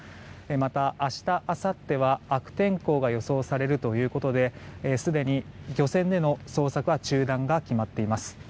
また、明日あさっては悪天候が予想されるということですでに漁船での捜索は中断が決まっています。